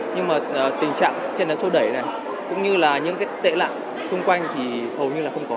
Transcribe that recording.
nhưng mà tình trạng trên nó sâu đẩy này cũng như là những cái tệ lạng xung quanh thì hầu như là không có